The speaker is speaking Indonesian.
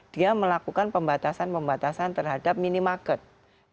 dia melakukan pembatasan pembatasan terhadap minima keuntungan